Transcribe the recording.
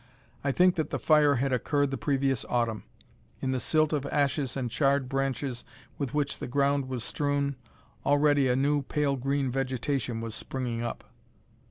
I think that the fire had occurred the previous autumn; in the silt of ashes and charred branches with which the ground was strewn, already a new pale green vegetation was springing up.